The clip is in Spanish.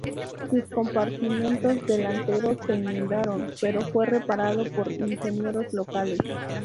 Sus compartimentos delanteros se inundaron, pero fue reparado por ingenieros locales.